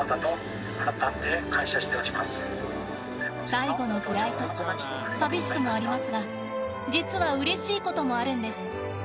最後のフライト寂しくもありますが実はうれしいこともあるんです。